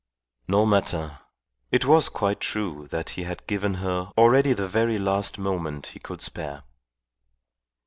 No matter. It was quite true that he had given her already the very last moment he could spare.